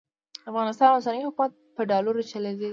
د افغانستان اوسنی حکومت په ډالرو چلېدلی.